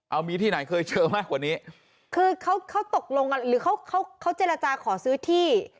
เอามีที่ไหนเคยเจอมากกว่านี้คือเขาเขาตกลงกันหรือเขาเขาเจรจาขอซื้อที่